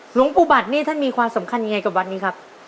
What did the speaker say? หลวงปู่บัตรนี่ท่านมีความสำคัญยังไงกับวัดนี้ครับ